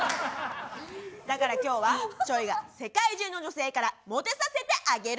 だから今日はｃｈｏｙが世界中の女性からモテさせてあげる。